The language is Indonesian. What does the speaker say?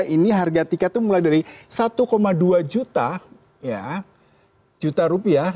ini harga tiket itu mulai dari satu dua juta rupiah